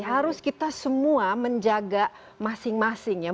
harus kita semua menjaga masing masing ya